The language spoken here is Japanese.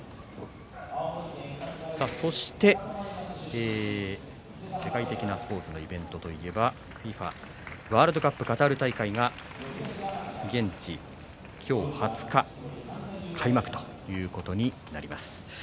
そして世界的なスポーツのイベントといえばＦＩＦＡワールドカップカタール大会が本日２０日に開幕となります。